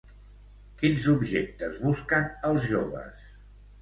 Quins objectes busquen els joves?